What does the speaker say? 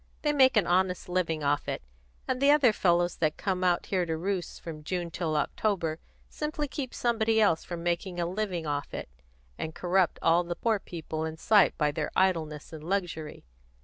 They make an honest living off it, and the other fellows that come out to roost here from June till October simply keep somebody else from making a living off it, and corrupt all the poor people in sight by their idleness and luxury.